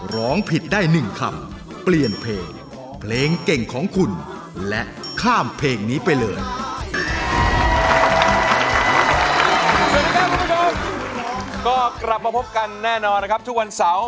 ร้องผิดได้๑คำเปลี่ยนเพลงเพลงเก่งของคุณและข้ามเพลงนี้ไปเลย